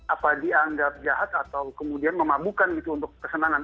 apa dianggap jahat atau kemudian memabukan gitu untuk kesenangan